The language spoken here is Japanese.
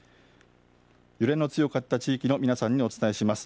揺れの強かった地域の皆さんにお伝えします。